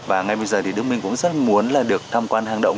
và ngay bây giờ thì đức minh cũng rất là muốn được tham quan hang động